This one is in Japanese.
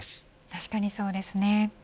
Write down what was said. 確かにそうですね。